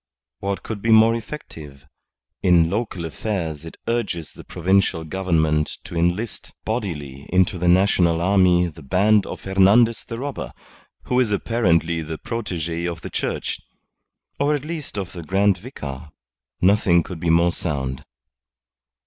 What could be more effective? In local affairs it urges the Provincial Government to enlist bodily into the national army the band of Hernandez the Robber who is apparently the protege of the Church or at least of the Grand Vicar. Nothing could be more sound."